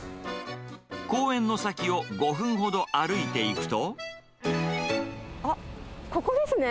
公園の先を５分ほど歩いていあっ、ここですね。